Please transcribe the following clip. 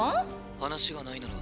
話がないなら。